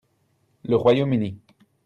Le Royaume-Uni.